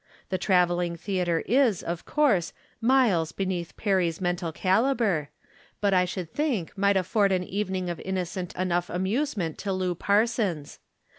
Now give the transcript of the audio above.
The traveling theatre is, of course, miles beneath Perry's mental calibre, but I should think might afford an evening of inno cent enough amusement to Lou Parsons.